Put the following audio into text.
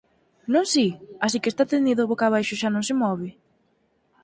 Non si? Así que está tendido boca abaixo e xa non se move.